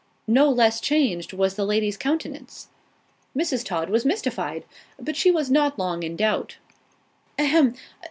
No less changed was the lady's countenance. Mrs. Todd was mistified. But she was not long in doubt. "A hem!